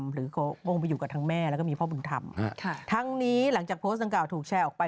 วงไปอยู่กับทั้งแม่แล้วก็มีพ่อบุญธรรมทั้งนี้หลังจากโพสต์ดังกล่าถูกแชร์ออกไป